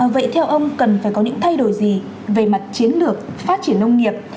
vậy theo ông cần phải có những thay đổi gì về mặt chiến lược phát triển nông nghiệp